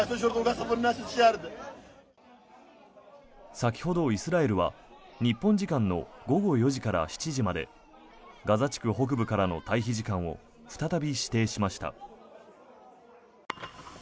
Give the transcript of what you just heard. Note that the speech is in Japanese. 先ほどイスラエルは日本時間の午後４時から７時までガザ地区北部からの退避時間を再び指定しました。